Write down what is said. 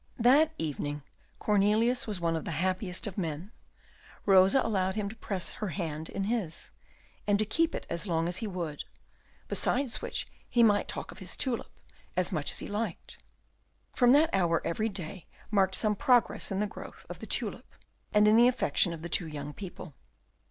That evening Cornelius was one of the happiest of men. Rosa allowed him to press her hand in his, and to keep it as long as he would, besides which he might talk of his tulip as much as he liked. From that hour every day marked some progress in the growth of the tulip and in the affection of the two young people.